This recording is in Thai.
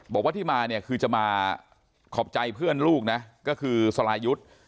บอกว่าที่มาเนี่ยคือจะมาขอบใจเพื่อนลูกนะก็คือสรายุทธ์